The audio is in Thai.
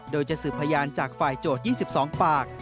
โดยจะสืบพยานจากฝ่ายโจทย์๒๒ปาก